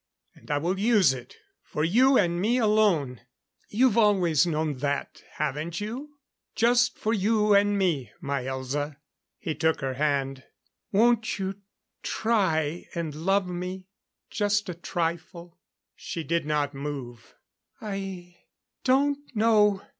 And I will use it for you and me alone. You've always known that, haven't you? Just for you and me, my Elza." He took her hand. "Won't you try and love me just a trifle?" She did not move. "I don't know."